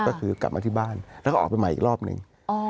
ก็คือกลับมาที่บ้านแล้วก็ออกไปใหม่อีกรอบหนึ่ง